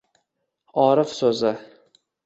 Orif so’zi: